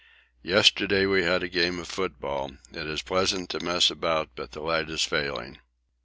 Yesterday we had a game of football; it is pleasant to mess about, but the light is failing.